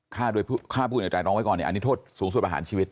ฆ่าผู้อื่นโดยไตรรองไว้ก่อนอันนี้โทษสูงสุดประหารชีวิต